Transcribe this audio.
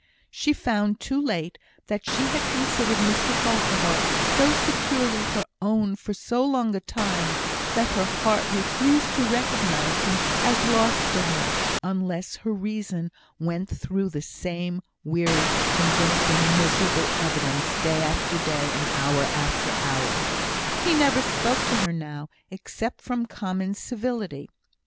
She found too late that she had considered Mr Farquhar so securely her own for so long a time, that her heart refused to recognise him as lost to her, unless her reason went through the same weary, convincing, miserable evidence day after day, and hour after hour. He never spoke to her now, except from common civility.